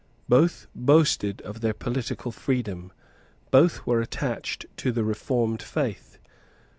Both boasted of their political freedom. Both were attached to the reformed faith.